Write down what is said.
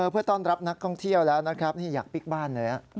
เพื่อต้อนรับนักท่องเที่ยวแล้วนะครับนี่อยากปิ๊กบ้านเลย